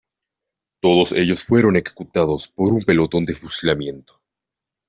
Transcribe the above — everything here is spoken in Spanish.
Todos ellos fueron ejecutados por un pelotón de fusilamiento.